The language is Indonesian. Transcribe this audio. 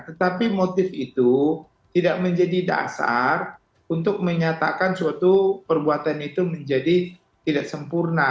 tetapi motif itu tidak menjadi dasar untuk menyatakan suatu perbuatan itu menjadi tidak sempurna